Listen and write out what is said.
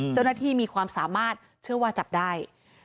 เจ้าหน้าที่มีความสามารถเชื่อว่าจับได้